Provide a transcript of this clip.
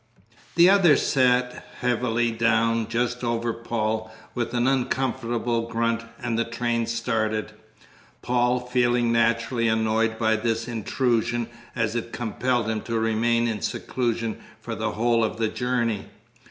The other sat heavily down just over Paul, with a comfortable grunt, and the train started, Paul feeling naturally annoyed by this intrusion, as it compelled him to remain in seclusion for the whole of the journey.